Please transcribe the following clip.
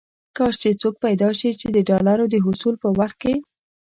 کاش کې څوک پيدا شي چې د ډالرو د حصول په وخت کې.